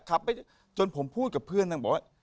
ขับไปจนผมพูดกับเพื่อนเนี่ยบอกว่า